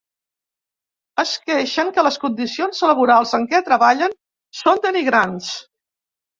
Es queixen que les condicions laborals en què treballen són denigrants.